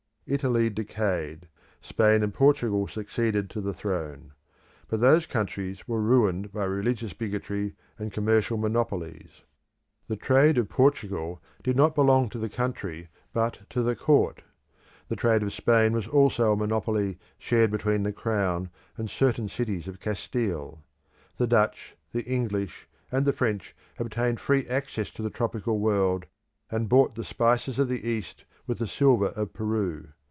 Italy decayed; Spain and Portugal succeeded to the throne. But those countries were ruined by religious bigotry and commercial monopolies. The trade of Portugal did not belong to the country, but to the court. The trade of Spain was also a monopoly shared between the Crown and certain cities of Castile. The Dutch, the English, and the French obtained free access to the tropical world, and bought the spices of the East with the silver of Peru.